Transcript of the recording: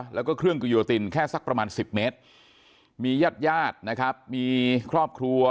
แล้วก็เครื่องกิโยตินแค่สักประมาณ๑๐เมตรมีญาติญาตินะครับมีครอบครัว